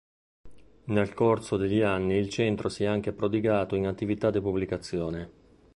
Nel corso degli anni il Centro si è anche prodigato in attività di pubblicazione.